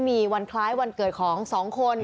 มีวันคล้ายวันเกิดของสองคน